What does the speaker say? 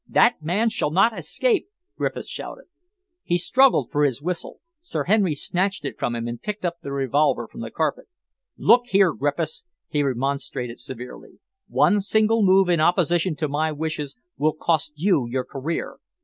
"That man shall not escape!" Griffiths shouted. He struggled for his whistle. Sir Henry snatched it from him and picked up the revolver from the carpet. "Look here, Griffiths," he remonstrated severely, "one single move in opposition to my wishes will cost you your career.